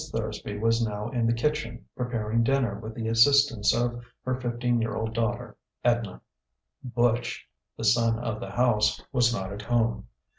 Thursby was now in the kitchen, preparing dinner with the assistance of her fifteen year old daughter, Edna. "Butch," the son of the house, was not at home.